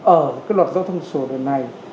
ở luật giao thông sổ đường này